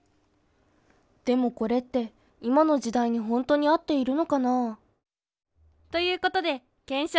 でもこれって今の時代にほんとに合っているのかな？ということで検証